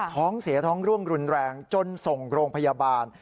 ท้องเสียท้องร่วงรุนแรงจนส่งโรงพยาบาล